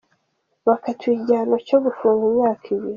Bakatiwe igihano cyo gufungwa imyaka ibiri.